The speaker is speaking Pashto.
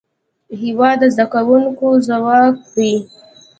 هېواد د زدهکوونکو ځواک دی.